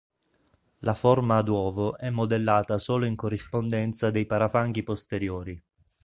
La forma ad uovo è modellata solo in corrispondenza dei parafanghi posteriori.